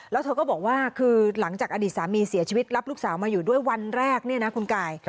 แล้วเธอก็บอกว่าคือหลังจากอดีตสามีเสียชีวิตรับลูกสาวมาอยู่ด้วยวันแรกเนี่ยนะคุณกาย